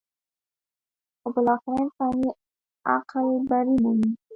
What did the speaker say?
خو بالاخره انساني عقل برۍ مومي.